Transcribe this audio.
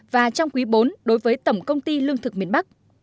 và trong quý bốn đối với tổng công ty lương thực miền bắc